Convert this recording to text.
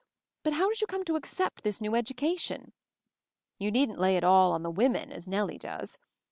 But how did you come to accept this new education? You needn't lay it all to the women, as Nellie does.